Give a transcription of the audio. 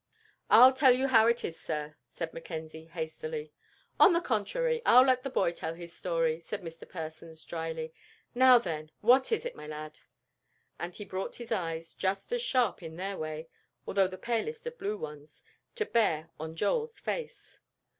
"I'll tell you how it is, sir," said McKenzie, hastily. "On the contrary, I'll let the boy tell his story," said Mr. Persons, dryly. "Now, then, what is it, my lad?" and he brought his eyes, just as sharp in their way, although the palest of blue ones, to bear on Joel's face.